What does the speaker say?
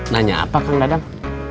nanya apa kang dadang